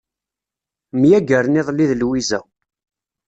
Myagren iḍelli d Lwiza.